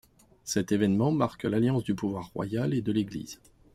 Cet événement marque l'alliance du pouvoir royal et de l'Église.